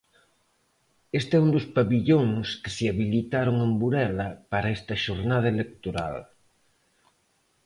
Este é un dos pavillóns que se habilitaron en Burela para esta xornada electoral.